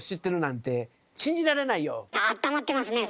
ああったまってますねえ先生。